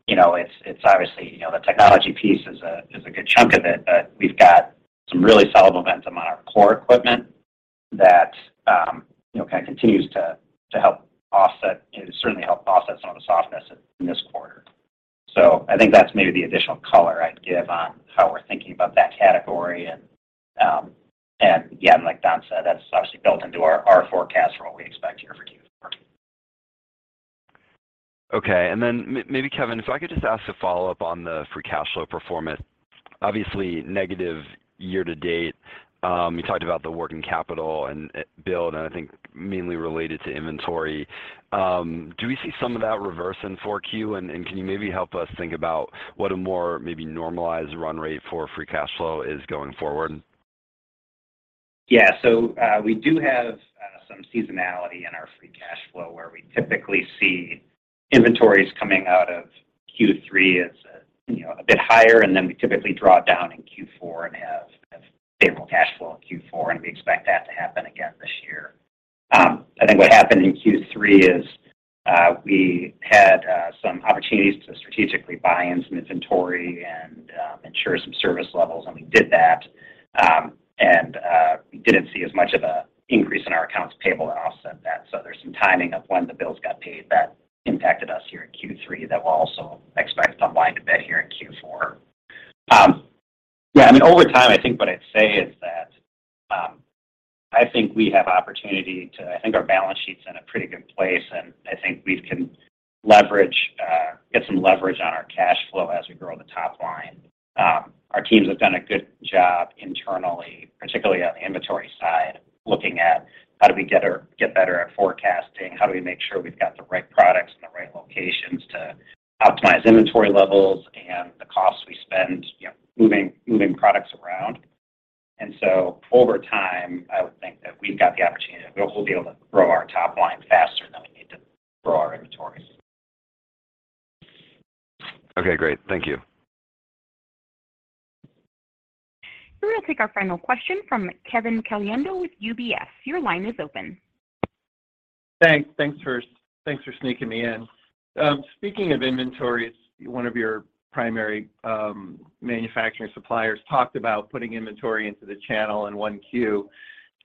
you know, it's obviously, you know, the technology piece is a good chunk of it, but we've got some really solid momentum on our core equipment that, you know, kind of continues to help offset, you know, certainly helped offset some of the softness in this quarter. I think that's maybe the additional color I'd give on how we're thinking about that category. Yeah, and like Don said, that's obviously built into our forecast for what we expect year for Q4. Okay. Maybe Kevin, if I could just ask a follow-up on the free cash flow performance, obviously negative year to date. You talked about the working capital and build, and I think mainly related to inventory. Do we see some of that reverse in 4Q? Can you maybe help us think about what a more maybe normalized run rate for free cash flow is going forward? Yeah. We do have some seasonality in our free cash flow, where we typically see inventories coming out of Q3 as a, you know, a bit higher, and then we typically draw down in Q4 and have favorable cash flow in Q4, and we expect that to happen again this year. I think what happened in Q3 is we had some opportunities to strategically buy in some inventory and ensure some service levels, and we did that. We didn't see as much of a increase in our accounts payable to offset that. There's some timing of when the bills got paid that impacted us here in Q3 that we'll also expect to unwind a bit here in Q4. Yeah, I mean, over time, I think what I'd say is that I think we have opportunity to... I think our balance sheet's in a pretty good place, and I think we can leverage get some leverage on our cash flow as we grow the top line. Our teams have done a good job internally, particularly on the inventory side, looking at how do we get better at forecasting, how do we make sure we've got the right products in the right locations to optimize inventory levels and the costs we spend, you know, moving products around. Over time, I would think that we've got the opportunity, we'll be able to grow our top line faster than we need to grow our inventory. Okay, great. Thank you. We will take our final question from Kevin Caliendo with UBS. Your line is open. Thanks. Thanks for sneaking me in. Speaking of inventories, one of your primary manufacturing suppliers talked about putting inventory into the channel in 1Q,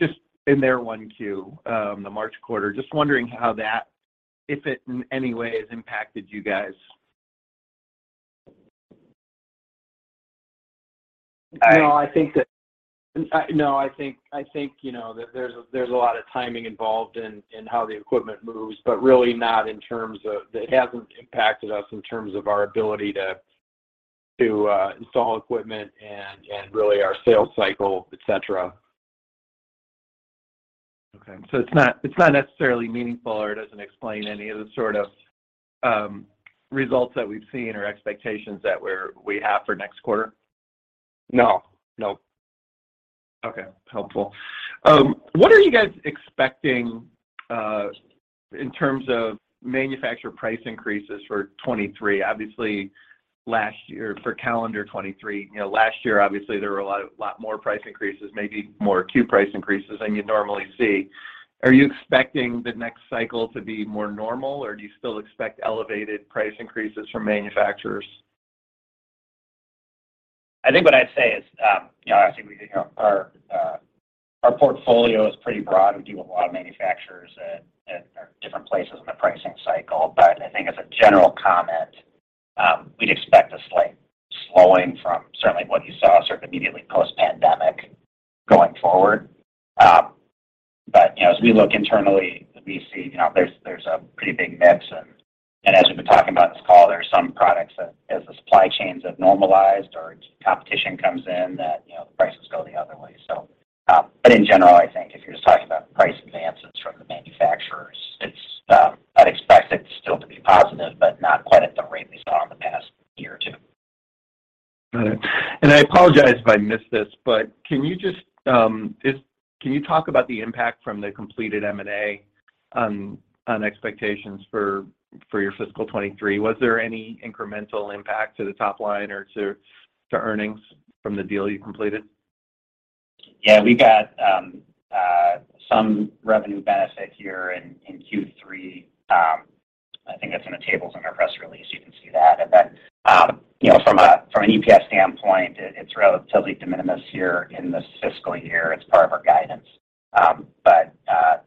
just in their 1Q, the March quarter. Just wondering how that, if it in any way has impacted you guys. No, I think, you know, that there's a lot of timing involved in how the equipment moves, but really not in terms of. It hasn't impacted us in terms of our ability to install equipment and really our sales cycle, et cetera. Okay. It's not necessarily meaningful, or it doesn't explain any of the sort of, results that we've seen or expectations that we have for next quarter? No. No. Okay. Helpful. What are you guys expecting in terms of manufacturer price increases for 2023? Obviously, last year. For calendar 2023. You know, last year, obviously, there were a lot more price increases, maybe more acute price increases than you'd normally see. Are you expecting the next cycle to be more normal, or do you still expect elevated price increases from manufacturers? I think what I'd say is, I think we, our portfolio is pretty broad. We do a lot of manufacturers at different places in the pricing cycle. I think as a general comment, we'd expect a slight slowing from certainly what you saw sort of immediately post-pandemic going forward. As we look internally, we see, there's a pretty big mix. As we've been talking about in this call, there are some products that as the supply chains have normalized or competition comes in that the prices go the other way. In general, I think if you're just talking about price advances from the manufacturers, it's. I'd expect it still to be positive, but not quite at the rate we saw in the past year or two. All right. I apologize if I missed this, can you just, Can you talk about the impact from the completed M&A on expectations for your fiscal 2023? Was there any incremental impact to the top line or to earnings from the deal you completed? Yeah. We got some revenue benefit here in Q3. I think that's in the tables in our press release. You can see that. You know, from an EPS standpoint, it's relatively de minimis here in this fiscal year. It's part of our guidance.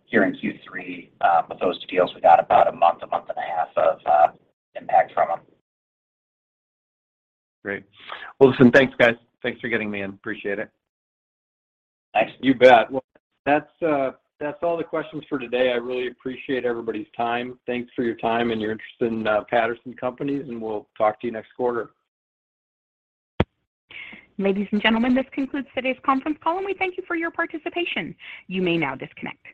Here in Q3, with those deals, we got about a month, a month and a half of impact from them. Great. Listen, thanks, guys. Thanks for getting me in. Appreciate it. Thanks. You bet. Well, that's all the questions for today. I really appreciate everybody's time. Thanks for your time and your interest in Patterson Companies. We'll talk to you next quarter. Ladies and gentlemen, this concludes today's conference call, and we thank you for your participation. You may now disconnect.